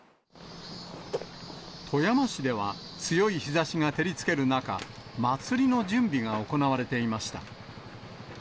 富山市では強い日ざしが照りつける中、祭りの準備が行われていました。